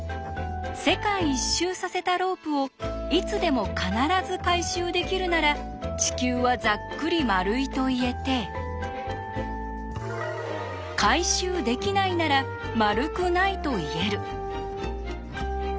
世界一周させたロープをいつでも必ず回収できるなら地球はざっくり丸いと言えて回収できないなら丸くないと言える。